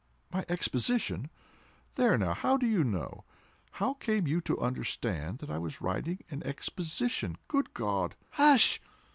"My Exposition!—there now!—how do you know?—how came you to understand that I was writing an Exposition?—good God!" "Hush!"